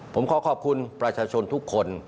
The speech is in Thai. ผมขอขอบคุณประชาชนทุกคน